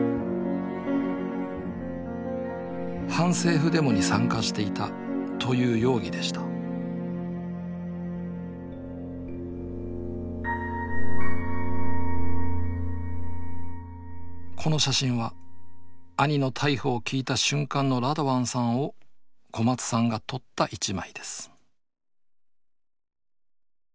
反政府デモに参加していたという容疑でしたこの写真は兄の逮捕を聞いた瞬間のラドワンさんを小松さんが撮った一枚です